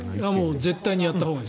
もう絶対にやったほうがいい。